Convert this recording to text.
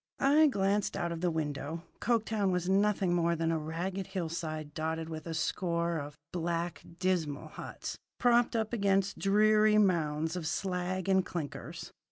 I glanced out of the window. Coketown was nothing more than a ragged hillside dotted with a score of black dismal huts propped up against dreary mounds of slag and clinkers.